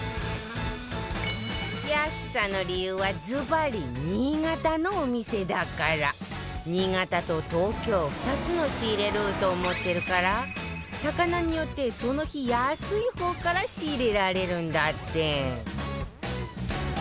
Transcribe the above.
安さの理由はずばり新潟のお店だから新潟と東京２つの仕入れルートを持ってるから魚によってその日安い方から仕入れられるんだって